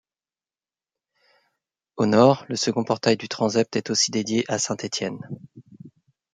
Au nord, le second portail du transept est aussi dédié à saint Étienne.